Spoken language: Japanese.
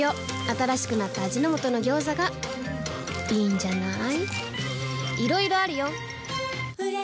新しくなった味の素の「ギョーザ」がいいんじゃない？